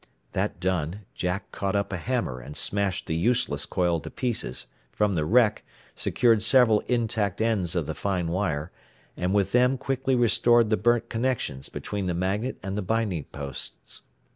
That done, Jack caught up a hammer and smashed the useless coil to pieces, from the wreck, secured several intact ends of the fine wire, and with them quickly restored the burnt connections between the magnet and the binding posts.